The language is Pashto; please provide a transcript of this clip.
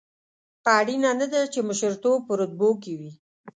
اړینه نه ده چې مشرتوب په رتبو کې وي.